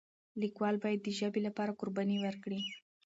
لیکوال باید د ژبې لپاره قرباني ورکړي.